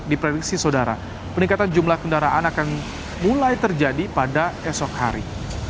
diprediksi saudara peningkatan jumlah kendaraan akan mulai terjadi pada esok hari